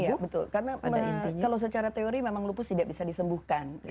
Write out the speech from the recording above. iya betul karena kalau secara teori memang lupus tidak bisa disembuhkan